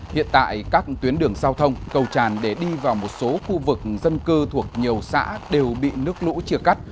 hiện tại các tuyến đường giao thông cầu tràn để đi vào một số khu vực dân cư thuộc nhiều xã đều bị nước lũ chia cắt